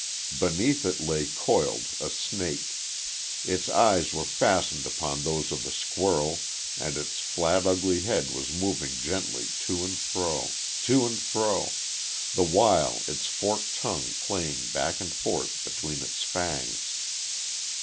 Beneath it lay coiled a snake. Its eyes were fastened upon those of the squirrel and its flat, ugly head was moving gently to and fro to and fro the while its forked tongue played back and forth between its fangs.